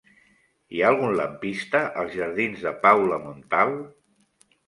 Hi ha algun lampista als jardins de Paula Montal?